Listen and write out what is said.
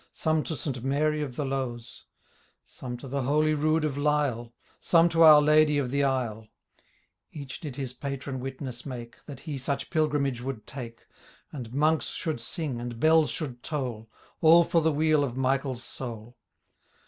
Some to St. Mary of the Lowes, Some to the Holy Rood of Lisle, Some to our Ladye of the Isle ; Each did his patron witness make. That he such pilgrimage would take. And Monks should sing, and bells should toll. All for the weal of MichaePs soul.